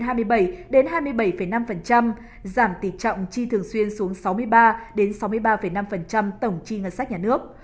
giảm tỷ trọng chi thường xuyên xuống sáu mươi ba sáu mươi ba năm tổng chi ngân sách nhà nước